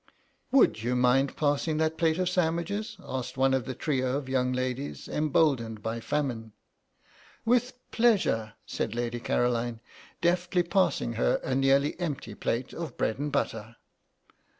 "Would you mind passing that plate of sandwiches," asked one of the trio of young ladies, emboldened by famine. "With pleasure," said Lady Caroline, deftly passing her a nearly empty plate of bread and butter.